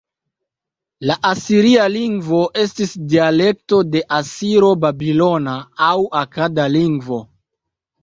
La asiria lingvo estis dialekto de asiro-babilona aŭ akada lingvo.